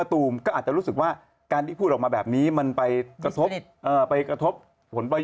รู้จักมานาน